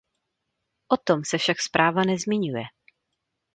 O tom se však zpráva nezmiňuje.